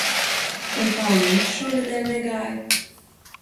Un kā jums šonedēļ negāja?